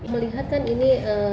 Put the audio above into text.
melihat kan ini